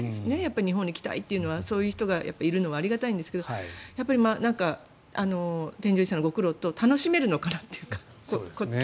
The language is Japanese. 日本に来たいというのはそういう人がいるのはありがたいんですがやっぱり、添乗員さんのご苦労と来た方が楽しめるのかなとか。